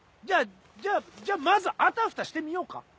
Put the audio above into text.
じゃじゃあまずあたふたしてみようか。